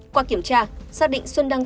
qua kiểm tra xác định xuân đăng